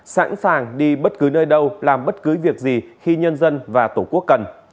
sẵn sàng đi bất cứ nơi đâu làm bất cứ việc gì khi nhân dân và tổ quốc cần